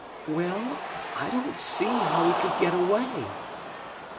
"Well, I don't see how he could get away."